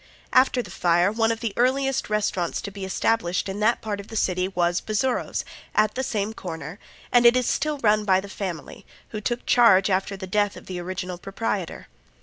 After the fire one of the earliest restaurants to be established in that part of the city was Bazzuro's, at the same corner, and it is still run by the family, who took charge after the death of the original proprietor.